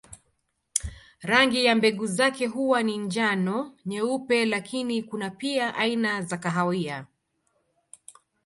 Rangi ya mbegu zake huwa ni njano, nyeupe lakini kuna pia aina za kahawia.